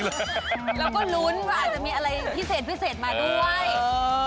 แล้วก็ลุ้นว่าอาจจะมีอะไรพิเศษพิเศษมาด้วย